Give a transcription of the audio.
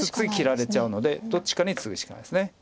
次切られちゃうのでどっちかにツグしかないです。